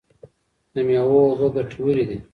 د مېوو اوبه ګټورې دي.